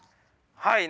はい。